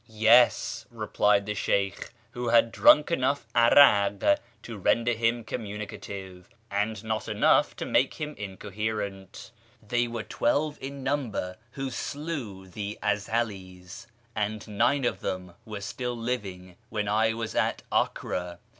" Yes," replied the Sheykh, who had drunk enough 'arak to render him communicative, and not enough to make him incoherent, " they were twelve in number who slew the Ezeli's, and nine of them were still living when I was at Acre.